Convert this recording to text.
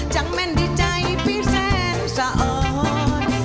จังเม่นดีใจผีแสนซะอ่อน